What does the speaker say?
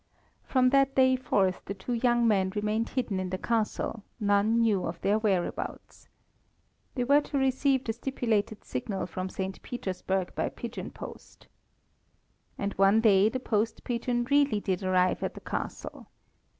From that day forth the two young men remained hidden in the Castle; none knew of their whereabouts. They were to receive the stipulated signal from St. Petersburg by pigeon post. And one day the post pigeon really did arrive at the Castle.